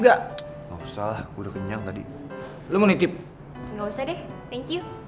gak usah deh thank you